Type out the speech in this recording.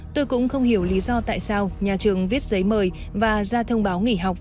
tôi cũng không hiểu lý do tại sao nhà trường viết giấy mời và ra thông báo nghỉ học